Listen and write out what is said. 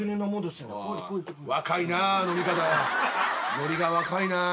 ノリが若いなぁ。